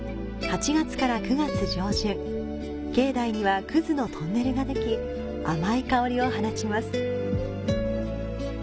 ８月から９月上旬、境内にはクズのトンネルができ、甘い香りを放ちます。